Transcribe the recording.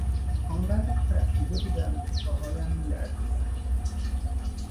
آن قدر ترسیده بودم که پاهایم میلرزیدند.